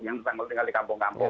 yang tinggal di kampung kampung